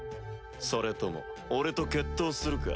それとも俺と決闘するか？